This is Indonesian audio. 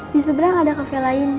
diseberang ada cafe lain